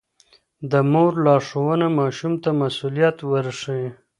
د مور لارښوونه ماشوم ته مسووليت ورښيي.